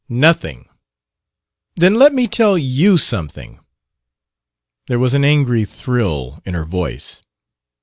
"Noth ing." "Then let me tell you something." There was an angry thrill in her voice.